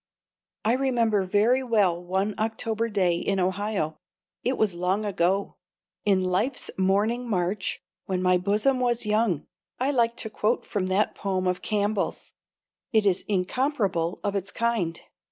I remember very well one October day in Ohio. It was long ago "in life's morning march, when my bosom was young." (I like to quote from that poem of Campbell's, it is incomparable of its kind.)